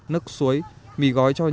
nước suối mì gói cho nhân